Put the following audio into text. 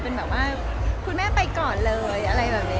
เป็นแบบว่าคุณแม่ไปก่อนเลยอะไรแบบนี้